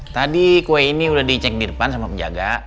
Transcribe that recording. tadi kue ini udah dicek di depan sama penjaga